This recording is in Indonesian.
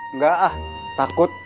enggak ah takut